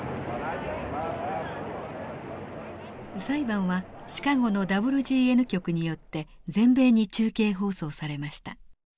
裁判はシカゴのＷＧＮ局によって全米に中継放送されました。